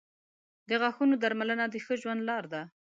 • د غاښونو درملنه د ښه ژوند لار ده.